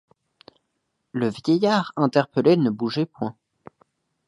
Le vieillard interpellé ne bougeait point.